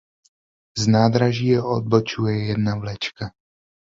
Z nádraží je odbočuje jedna vlečka.